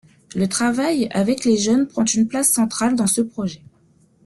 Le travail avec les jeunes prend une place centrale dans ce projet.